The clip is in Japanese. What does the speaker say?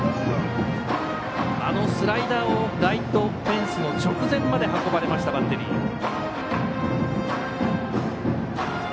あのスライダーをライトフェンスの直前まで運ばれました、バッテリー。